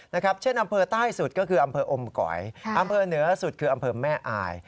นะครับเช่นอำเภอใต้สุดก็คืออำเภออมก๋อยอำเภอเหนือสุดคืออำเภอแม่อาย